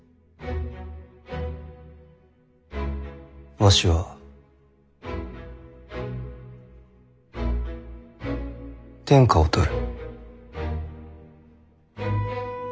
わしは天下を取る。